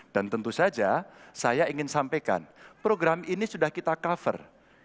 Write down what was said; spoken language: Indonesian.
dan tentu saja saya ingin sampaikan program ini sudah kita cover